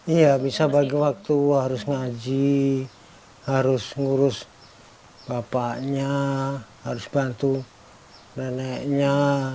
iya bisa bagi waktu harus ngaji harus ngurus bapaknya harus bantu neneknya